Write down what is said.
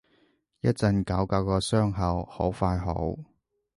一陣搞搞個傷口，好快好